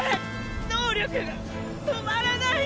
能力が止まらないの！